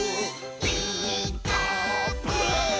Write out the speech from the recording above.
「ピーカーブ！」